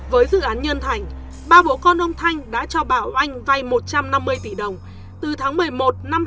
với dự án nhân thành ba bố con ông thanh đã cho bảo anh vay một trăm năm mươi tỷ đồng từ tháng một mươi một năm hai nghìn một mươi